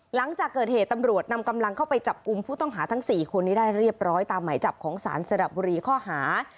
หลังจากเกิดเหตุตำรวจนำกำลังเข้าไปจับกลุ่มผู้ต้องหาทั้ง๔คนนี้ได้เรียบร้อยตามหมายจับของสารสระบุรีข้อหา